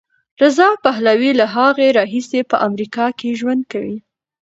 رضا پهلوي له هغې راهیسې په امریکا کې ژوند کوي.